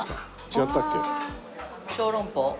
小籠包？